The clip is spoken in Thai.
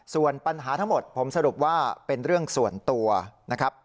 ส่วนปัญหาทั้งหมดผมสรุปว่าเป็นเรื่องส่วนตัวนะครับ